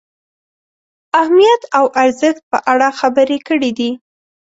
اهمیت او ارزښت په اړه خبرې کړې دي.